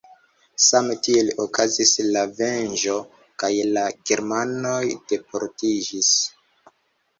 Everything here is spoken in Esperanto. Same tiel okazis la venĝo kaj la germanoj deportiĝis.